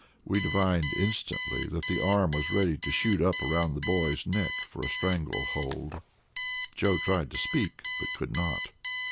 We divined instantly that that arm was ready to shoot up around the boy's neck for a strangle hold. Joe tried to speak, but could not.